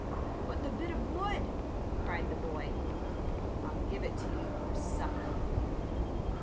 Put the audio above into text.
"But the bit of wood?" cried the boy. "I'll give it to you for supper."